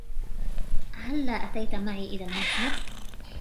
هلا أتيت معي إلى المتجر ؟